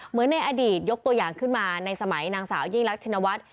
ในอดีตยกตัวอย่างขึ้นมาในสมัยนางสาวยิ่งรักชินวัฒน์